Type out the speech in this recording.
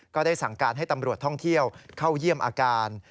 ก็ได้สั่งการให้ตำรวจท่องเที่ยวเข้าเยี่ยมอาการ